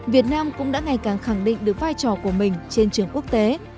việt nam cũng đã ngày càng khẳng định được vai trò của mình trên trường quốc tế